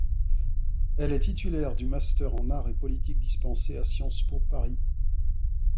Elle est titulaire du master en Arts et politique dispensé à SciencePo Paris.